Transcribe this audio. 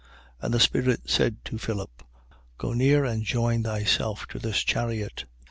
8:29. And the Spirit said to Philip: Go near and join thyself to this chariot.